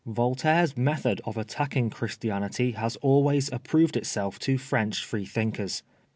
"Voltaire's method of attacking Christianity has always approved itself to French Freethinkers.